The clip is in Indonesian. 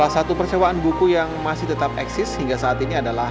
satu persewaan buku yang masih tetap eksis hingga saat ini adalah